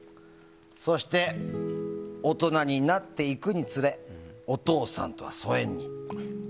そして大人になっていくにつれお父さんとは疎遠に。